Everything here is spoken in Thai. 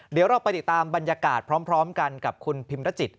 เดี๋ยวเราไปติดตามบรรยากาศพร้อมกันกับคุณพิมรจิต